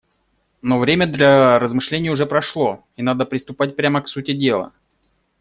Но время для размышлений уже прошло, и надо приступать прямо к сути дела.